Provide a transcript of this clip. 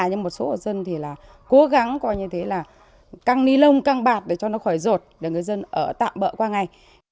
nhưng một số hộ dân thì là cố gắng coi như thế là căng nilon căng bạc để cho nó khỏi rột để người dân ở tạm bỡ qua ngày